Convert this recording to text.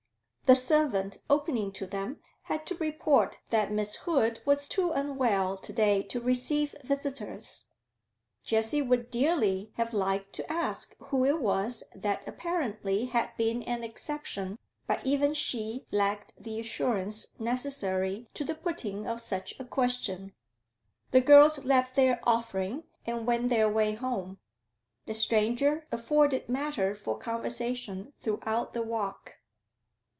The servant, opening to them, had to report that Miss Hood was too unwell to day to receive visitors. Jessie would dearly have liked to ask who it was that apparently had been an exception, but even she lacked the assurance necessary to the putting of such a question. The girls left their offering, and went their way home; the stranger afforded matter for conversation throughout the walk.